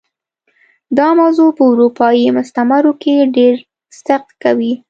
دا موضوع په اروپايي مستعمرو کې ډېر صدق کوي.